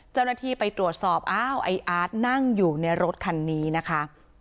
เจ้าหน้าที่ไปตรวจสอบอ้าวไอ้อาร์ตนั่งอยู่ในรถคันนี้นะคะ